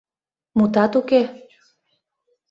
— Мутат уке...